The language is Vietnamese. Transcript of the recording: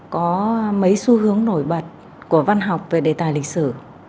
có mấy xu hướng nổi bật của văn học về đề tài lịch sử